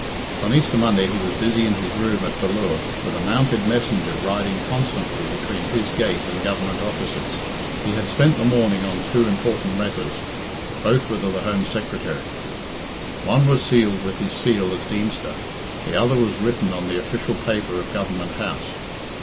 On Easter Monday he was busy in his room at Ballure, with a mounted messenger riding constantly between his gate and Government offices. He had spent the morning on two important letters. Both were to the Home Secretary. One was sealed with his seal as Deemster; the other was written on the official paper of Government House.